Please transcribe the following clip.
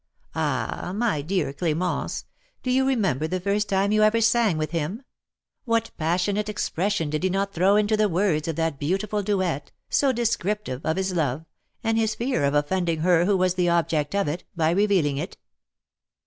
Ah, my dear Clémence, do you remember the first time you ever sang with him: what passionate expression did he not throw into the words of that beautiful duet, so descriptive of his love, and his fear of offending her who was the object of it, by revealing it?"